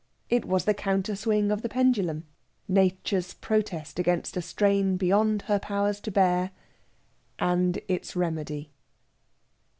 It was the counterswing of the pendulum Nature's protest against a strain beyond her powers to bear, and its remedy.